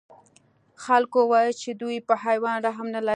خلکو وویل چې دوی په حیوان رحم نه لري.